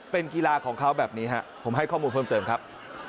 เป็นกีฬาของเขาแบบนี้ครับผมให้ข้อมูลเพิ่มเติมครับ